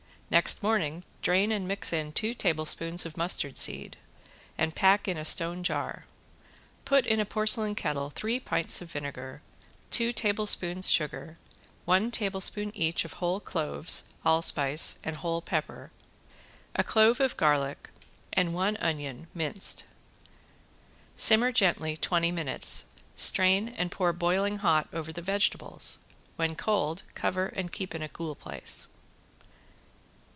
Next morning drain and mix in two tablespoons of mustard seed, and pack in a stone jar. Put in a porcelain kettle three pints of vinegar, two tablespoons sugar, one tablespoon each of whole cloves, allspice and whole pepper, a clove of garlic and one onion minced. Simmer gently twenty minutes, strain and pour boiling hot over the vegetables. When cold cover and keep in a cool place.